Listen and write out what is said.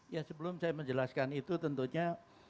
ya sebelum saya menjelaskan itu tentunya